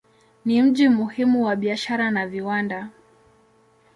Ni mji muhimu wa biashara na viwanda.